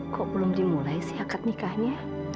kok belum dimulai sih akad nikahnya